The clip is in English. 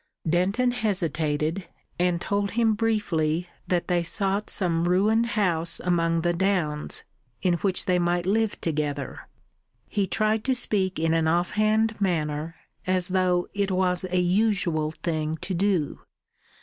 Denton hesitated, and told him briefly that they sought some ruined house among the Downs, in which they might live together. He tried to speak in an off hand manner, as though it was a usual thing to do.